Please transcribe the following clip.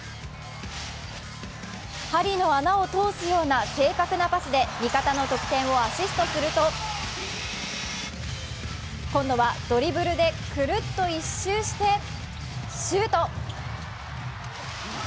針の穴を通すような正確なパスで味方の得点をアシストすると、今度はドリブルでくるっと１周してシュート！